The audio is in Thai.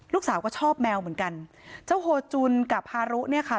ลูกสาวก็ชอบแมวเหมือนกันเจ้าโฮจุนกับฮารุเนี่ยค่ะ